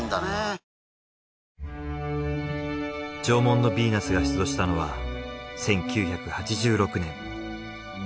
『縄文のビーナス』が出土したのは１９８６年。